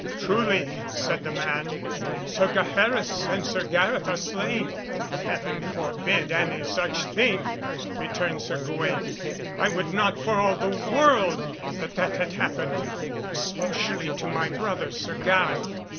"Truly," said the man, "Sir Gaheris and Sir Gareth are slain." "Heaven forbid any such thing," returned Sir Gawaine. "I would not for all the world that that had happened, especially to my brother Sir Gareth."